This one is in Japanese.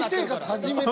初めて。